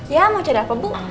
ya mau cari apa bu